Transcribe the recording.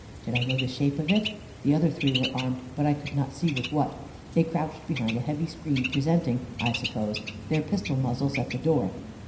Did I know the shape of it? The other three were armed, but I could not see with what. They crouched behind a heavy screen, presenting (I supposed) their pistol muzzles at the door.